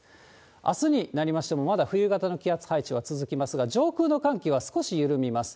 あすになりましてもまだ冬型の気圧配置は続きますが、上空の寒気は少し緩みます。